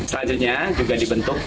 selanjutnya juga dibentuk